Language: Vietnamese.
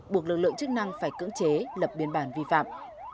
buộc lực lượng chức năng phải cưỡng chế lập biên bản vi phạm